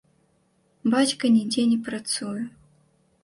Бацька нідзе не працуе.